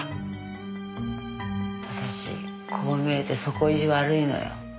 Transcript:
私こう見えて底意地悪いのよ。